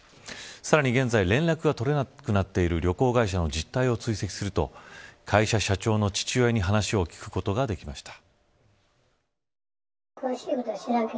さらに現在、連絡が取れなくなっている旅行会社の実態を追跡すると会社社長の父親に話を聞くことができました。